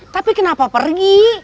tapi kenapa pergi